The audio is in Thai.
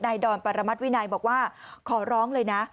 ดอนปรมัติวินัยบอกว่าขอร้องเลยนะ